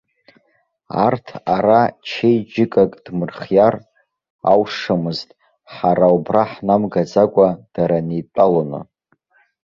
Арҭ ара чеиџьыкак дмырхиар аушамызт, ҳара убра ҳнамгаӡакәа, дара неидтәалону!